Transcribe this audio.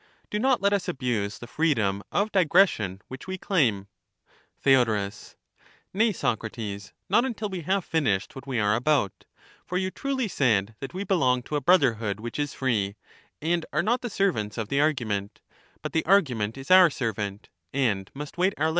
Do not let us abuse the freedom of digression which we claim. Theod, Nay, Socrates, not until we have finished what we are about ; for you truly said that we belong to a brotherhood which is free, and are not the servants of the argument ; but the argument is our servant, and must wait our leisure.